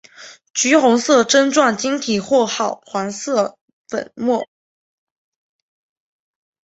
橘红色针状晶体或赭黄色粉末。